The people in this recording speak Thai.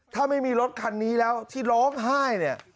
ถ้าไม่มีรถคันนี้แล้วที่ร้องไห้เนี่ย